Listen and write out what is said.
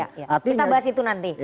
kita bahas itu nanti